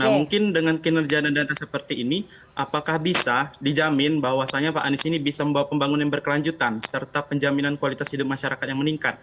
nah mungkin dengan kinerja dan data seperti ini apakah bisa dijamin bahwasannya pak anies ini bisa membawa pembangunan berkelanjutan serta penjaminan kualitas hidup masyarakat yang meningkat